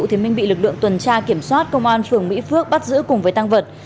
thì minh bị lực lượng tuần tra kiểm soát công an phường mỹ phước bắt giữ cùng với tăng vật